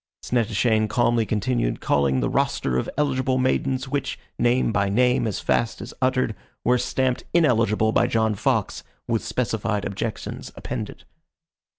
Snettishane calmly continued calling the roster of eligible maidens, which, name by name, as fast as uttered, were stamped ineligible by John Fox, with specified objections appended.